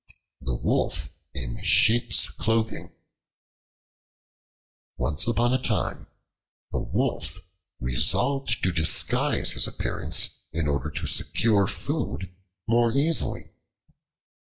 The Wolf in Sheep's Clothing ONCE UPON A TIME a Wolf resolved to disguise his appearance in order to secure food more easily.